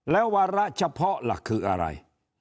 แล้ววาระเฉพาะหลักคืออะไร